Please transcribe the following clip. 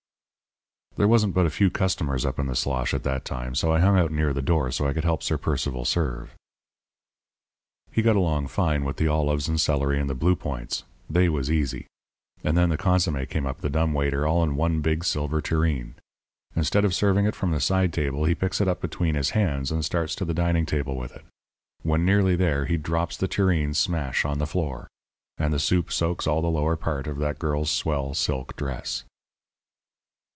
"There wasn't but a few customers up in the slosh at that time, so I hung out near the door so I could help Sir Percival serve. "He got along fine with the olives and celery and the bluepoints. They was easy. And then the consommé came up the dumb waiter all in one big silver tureen. Instead of serving it from the side table he picks it up between his hands and starts to the dining table with it. When nearly there he drops the tureen smash on the floor, and the soup soaks all the lower part of that girl's swell silk dress.